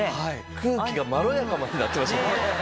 空気がまろやかになってましたから。